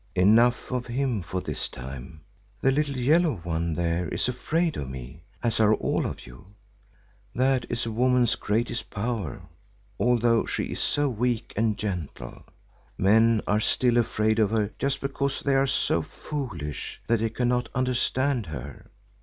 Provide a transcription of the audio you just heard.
Enough of him for this time. The little yellow one there is afraid of me, as are all of you. That is woman's greatest power, although she is so weak and gentle, men are still afraid of her just because they are so foolish that they cannot understand her.